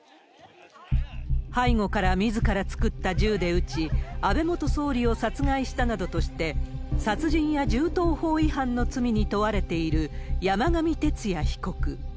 背後からみずから作った銃で撃ち、安倍元総理を殺害したなどとして、殺人や銃刀法違反の罪に問われている、山上徹也被告。